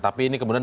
tapi ini kemudian